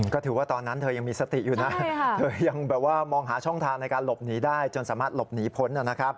ก็ถือว่าตอนนั้นเธอยังมีสติอยู่นะเธอยังแบบว่ามองหาช่องทางในการหลบหนีได้จนสามารถหลบหนีพ้นนะครับ